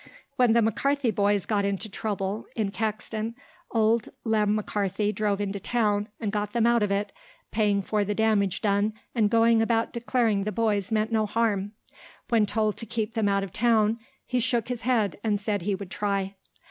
When the McCarthy boys got into trouble in Caxton, old Lem McCarthy drove into town and got them out of it, paying for the damage done and going about declaring the boys meant no harm. When told to keep them out of town he shook his head and said he would try.